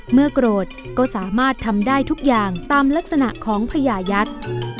โกรธก็สามารถทำได้ทุกอย่างตามลักษณะของพญายักษ์